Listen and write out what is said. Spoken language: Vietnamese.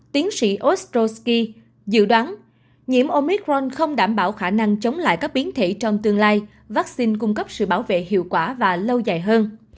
tiến sĩ oshosky dự đoán nhiễm omicron không đảm bảo khả năng chống lại các biến thể trong tương lai vaccine cung cấp sự bảo vệ hiệu quả và lâu dài hơn